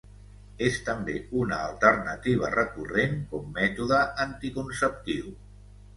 És també una alternativa recurrent com mètode anticonceptiu.